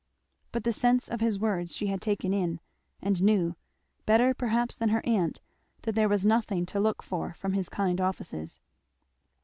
But the sense of his words she had taken in, and knew, better perhaps than her aunt, that there was nothing to look for from his kind offices.